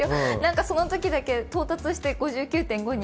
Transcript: そのときだけ到達して５９．５に。